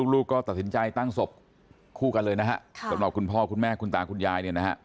ลูกก็ตัดสินใจตั้งศพคู่กันเลยนะฮะคุณพ่อคุณแม่คุณตาคุณยาย